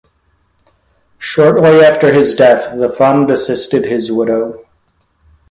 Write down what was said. Shortly after his death the fund assisted his widow.